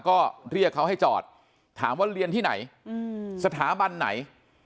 ก็เรียกเขาให้จอดถามว่าเรียนที่ไหนสถาบันไหน